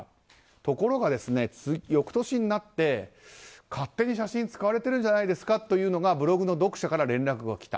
ところが、翌年になって勝手に写真を使われているんじゃないですかとブログの読者から連絡が来た。